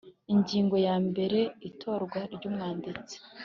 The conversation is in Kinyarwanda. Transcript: Ingingo yambere Itorwa ry Umwanditsi